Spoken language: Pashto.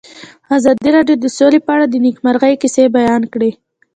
ازادي راډیو د سوله په اړه د نېکمرغۍ کیسې بیان کړې.